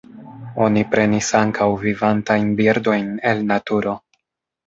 Oni prenis ankaŭ vivantajn birdojn el naturo.